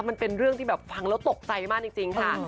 มันเป็นเรื่องที่แบบฟังแล้วตกใจมากจริงค่ะ